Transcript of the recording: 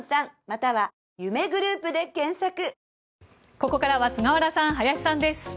ここからは菅原さん、林さんです。